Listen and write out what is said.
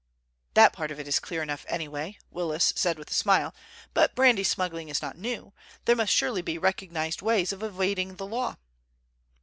"That part of it is clear enough anyway," Willis said with a smile. "But brandy smuggling is not new. There must surely be recognized ways of evading the law?"